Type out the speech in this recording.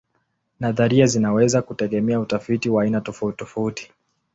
Nadharia zinaweza kutegemea utafiti wa aina tofautitofauti.